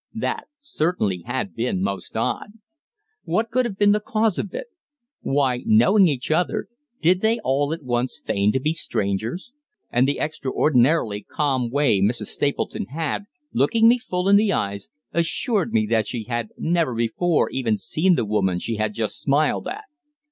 That, certainly, had been most odd. What could have been the cause of it? Why, knowing each other, did they all at once feign to be strangers? And the extraordinarily calm way Mrs. Stapleton had, looking me full in the eyes, assured me that she had never before even seen the woman she had just smiled at.